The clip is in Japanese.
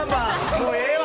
もうええわ！